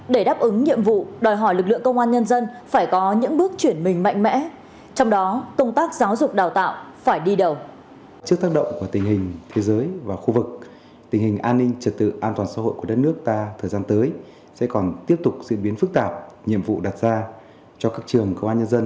để đáp ứng nhiệm vụ đòi hỏi lực lượng công an nhân dân phải có những bước chuyển mình mạnh mẽ